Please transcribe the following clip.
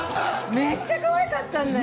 めっちゃ可愛かったんだよ。